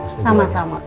sama sama pak mari mbak